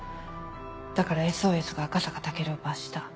だから「ＳＯＳ」が赤坂武尊を罰した。